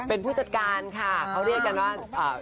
เป็นผู้จัดการค่ะเขาเรียกกันว่า